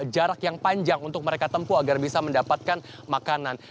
jarak yang panjang untuk mereka tempuh agar bisa mendapatkan makanan